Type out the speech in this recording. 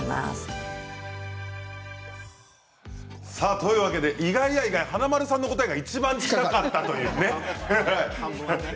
というわけで意外や意外華丸さんの答えがいちばん近かったということですね。